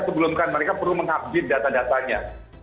itu belumkan mereka perlu mengabdi data datanya